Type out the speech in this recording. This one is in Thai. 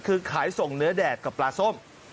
คือขายส่งเนื้อแดดกับปลาส้ม